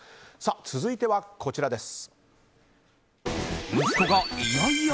続いてはこちらです。